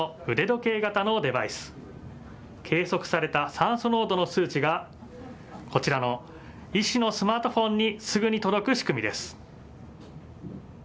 計測された酸素濃度の数値がこちらの医師のスマートフォンにすぐに届く仕組みです。